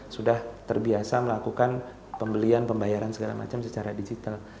sudah terbiasa melakukan pembelian pembayaran segala macam secara digital